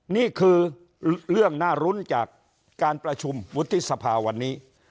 นี่คือเรื่องน่ารุ้นจากการประชุมวุฒิสภาวันนี้